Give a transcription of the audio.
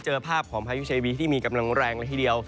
เจอภาพของพายุเชวีที่มีกำลังแรงละทีเดียว